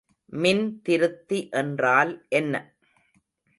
மின்திருத்தி என்றால் என்ன?